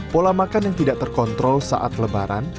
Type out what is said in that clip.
pola makan yang tidak terkontrol saat lebaran